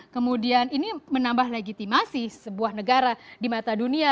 kemudian ini menambah legitimasi sebuah negara di mata dunia